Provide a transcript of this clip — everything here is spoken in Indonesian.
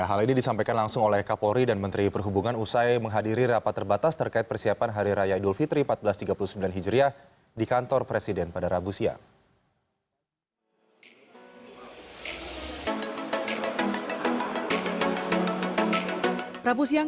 hal ini disampaikan langsung oleh kapolri dan menteri perhubungan usai menghadiri rapat terbatas terkait persiapan hari raya idul fitri seribu empat ratus tiga puluh sembilan hijriah di kantor presiden pada rabu siang